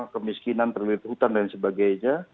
kemiskinan terdiri dari hutan dan sebagainya